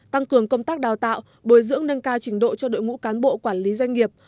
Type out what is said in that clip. tăng cường công tác đào tạo bồi dưỡng nâng cao trình độ cho đội ngũ cán bộ quản lý doanh nghiệp